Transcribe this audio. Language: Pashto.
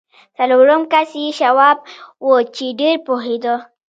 څلورم کس یې شواب و چې ډېر پوهېده